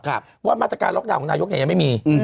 เพราะว่ามาตรการล็อกดาวน์ของนายกยังไม่มี